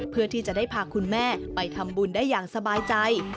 เพื่อที่จะได้พาคุณแม่ไปทำบุญได้อย่างสบายใจ